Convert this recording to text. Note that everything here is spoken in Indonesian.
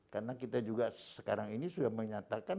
karena kita juga sekarang ini sudah menyatakan